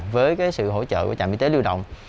với sự hỗ trợ của trạm y tế lưu động